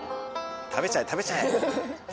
食べちゃえ食べちゃえ。